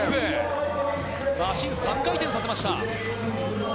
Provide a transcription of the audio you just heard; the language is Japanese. マシン３回転させました。